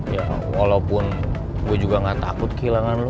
ya walaupun gue juga gak takut kehilangan